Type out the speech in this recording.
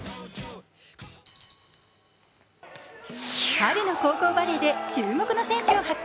春の高校バレーで注目の選手を発見。